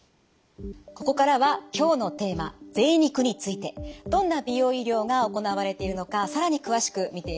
ここからは今日のテーマぜい肉についてどんな美容医療が行われているのか更に詳しく見ていきます。